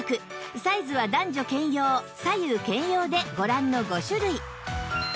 サイズは男女兼用左右兼用でご覧の５種類